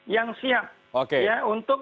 yang siap ya untuk